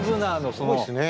すごいですね。